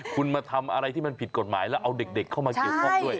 คุณมาทำอะไรที่มันผิดกฎหมายแล้วเอาเด็กเข้ามาเกี่ยวข้องด้วย